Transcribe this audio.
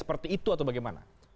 seperti itu atau bagaimana